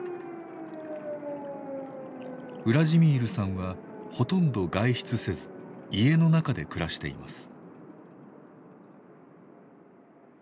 ウラジミールさんはほとんど外出せず家の中で暮らしています。